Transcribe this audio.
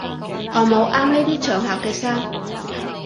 我冇啱呢啲場合嘅衫